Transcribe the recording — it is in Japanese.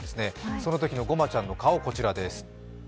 そのときのごまちゃんの顔、こちらです。